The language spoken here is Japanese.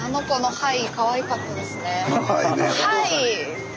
はい！